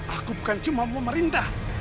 aku bukan cuma mau merintah